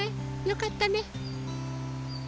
よかったね。